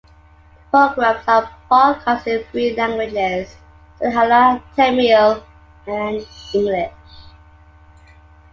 The programmes are broadcast in three languages; Sinhala, Tamil, and English.